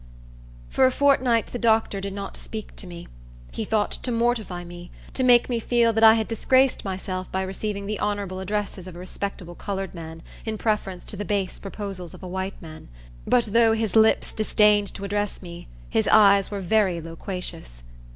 For a fortnight the doctor did not speak to me. He thought to mortify me; to make me feel that I had disgraced myself by receiving the honorable addresses of a respectable colored man, in preference to the base proposals of a white man. But though his lips disdained to address me, his eyes were very loquacious.